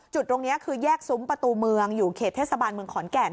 จุดตรงนี้คือแยกซุ้มประตูเมืองอยู่เขตเทศบาลเมืองขอนแก่น